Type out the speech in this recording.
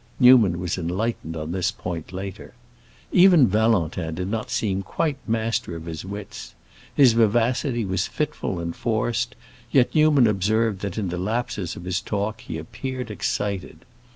Newman was enlightened on this point later. Even Valentin did not quite seem master of his wits; his vivacity was fitful and forced, yet Newman observed that in the lapses of his talk he appeared excited.